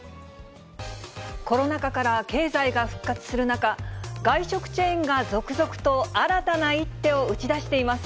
コロナ禍から経済が復活する中、外食チェーンが続々と新たな一手を打ち出しています。